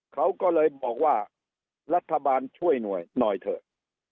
เขาก็เลยบอกว่ารัฐบาลช่วยหน่อยเถอะ